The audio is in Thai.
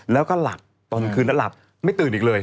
แล้วก็หลับตอนคืนแล้วหลับไม่ตื่นอีกเลย